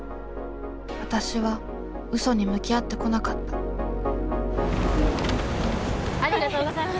わたしは嘘に向き合ってこなかったありがとうございます。